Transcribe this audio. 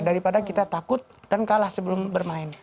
daripada kita takut dan kalah sebelum bermain